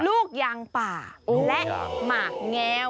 ลูกยางป่าและหมากแงว